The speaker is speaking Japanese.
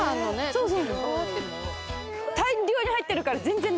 そうそう。